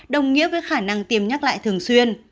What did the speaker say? đồng nghĩa với khả năng tiêm nhắc lại thường xuyên